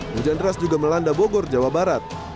hujan deras juga melanda bogor jawa barat